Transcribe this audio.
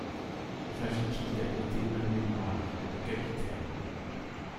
S’agit-il d’acquitter un mémoire, le capitaine!